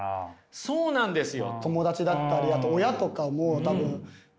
そうなんですよ。